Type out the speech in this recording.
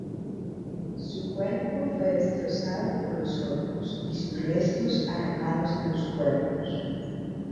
Su cuerpo fue destrozado por los orcos y sus restos arrojados a los cuervos.